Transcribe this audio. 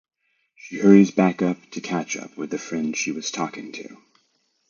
She hurries back up to catch up with the friend she was talking to.